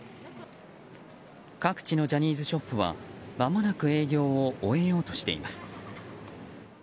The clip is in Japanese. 各地のジャニーズショップはまもなく営業を終えようとしています。